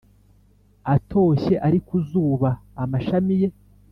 “atoshye ari ku zuba, amashami ye